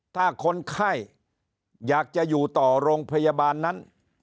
ถ้าคนไข้อยากจะอยู่ต่อโรงพยาบาลนั้น